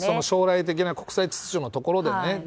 将来的な国際秩序のところでね。